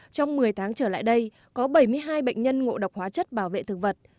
trong một mươi tháng trở lại đây có bảy mươi hai bệnh nhân ngộ độc hóa chất bảo vệ thực vật